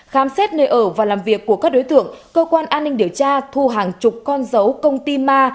khám xét nơi ở và làm việc của các đối tượng cơ quan an ninh điều tra thu hàng chục con dấu công ty ma